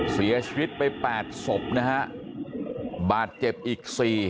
เสียชีวิตไป๘ศพนะฮะบาดเจ็บอีก๔